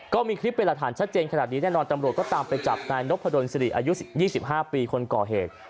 ก็มีคลิปเป็นละทานชัดเจนแทนกรัฐนี้แน่นอนตำรวจก็ทำไปจับนายนกภดลซีรีย์อายุ๒๕ปีคนก่อเหตุ